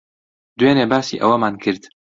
دوێنێ باسی ئەوەمان کرد.